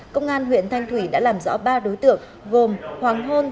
công an huyện thanh thủy đã làm rõ ba đối tượng gồm hoàng hôn